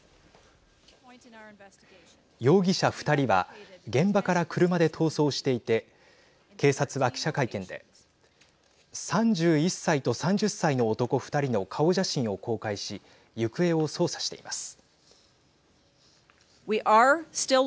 容疑者２人は現場から車で逃走していて警察は記者会見で３１歳と３０歳の男２人の顔写真を公開し行方を捜査しています。